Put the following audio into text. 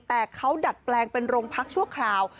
แต่เขาดัดแปลงเป็นโรงพักชั่วคราว